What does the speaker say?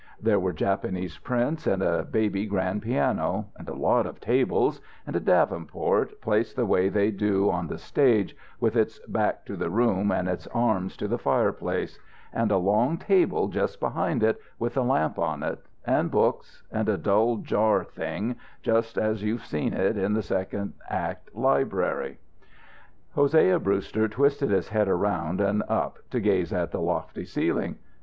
There were Japanese prints, and a baby grand piano, and a lot of tables, and a davenport placed the way they do it on the stage, with its back to the room and its arms to the fireplace, and a long table just behind it, with a lamp on it, and books, and a dull jar thing, just as you've seen it in the second act library. Hosea Brewster twisted his head around and up to gaze at the lofty ceiling.